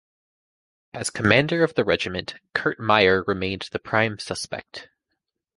As commander of the regiment, Kurt Meyer remained the prime suspect.